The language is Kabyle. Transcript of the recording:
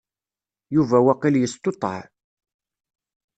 Yuba waqil yestuṭeɛ.